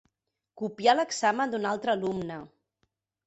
Copiar l'examen d'un altre alumne.